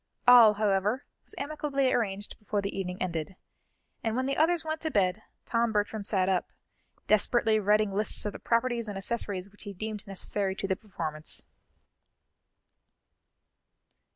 All, however, was amicably arranged before the evening ended, and when the others went to bed, Tom Bertram sat up, desperately writing lists of the properties and accessories which he deemed necessary to the performance.